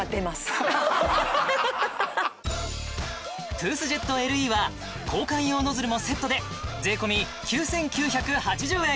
トゥースジェットＬＥは交換用ノズルもセットで税込９９８０円